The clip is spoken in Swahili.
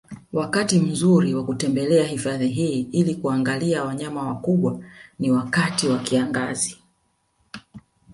Wakati mzuri wa kutembelea hifadhi hii ili kuangaliwa wanyama wakubwa ni wakati wa kiangazi